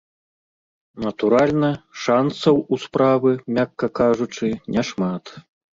Натуральна, шанцаў у справы, мякка кажучы, няшмат.